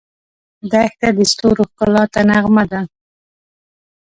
دښته د ستورو ښکلا ته نغمه ده.